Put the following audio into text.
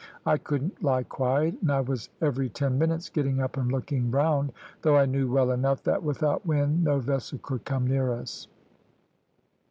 I couldn't lie quiet, and I was every ten minutes getting up and looking round, though I knew well enough that without wind no vessel could come near us.